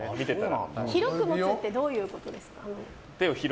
広く持つってどういうことですか？